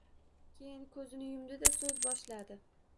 Keyin ko`zini yumdi-da, so`z boshladi